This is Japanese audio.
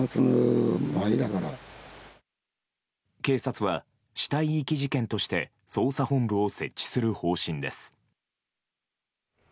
警察は死体遺棄事件として捜査本部を設置する方針です。